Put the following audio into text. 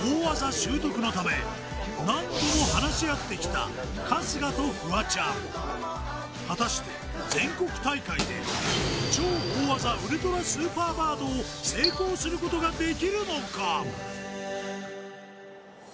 この何度も話し合ってきた春日とフワちゃん果たして全国大会で超大技ウルトラスーパーバードを成功することができるのか？